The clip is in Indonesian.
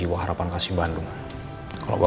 untuk karyaw climate yang keres routine